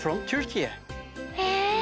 へえ！